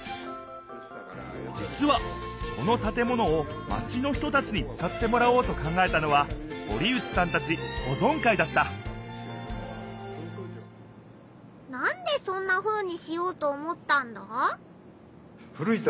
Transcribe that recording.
じつはこの建物をマチの人たちに使ってもらおうと考えたのは堀内さんたちほぞん会だったなんでそんなふうにしようと思ったんだ？